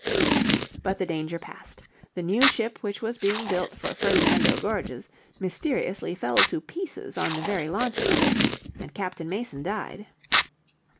But the danger passed. The new ship which was being built for Ferdinando Gorges mysteriously fell to pieces on the very launching of it, and Captain Mason died.